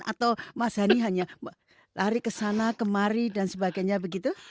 atau mas hani hanya lari ke sana kemari dan sebagainya begitu